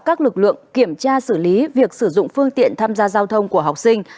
các lực lượng kiểm tra xử lý việc sử dụng phương tiện tham gia giao thông của học sinh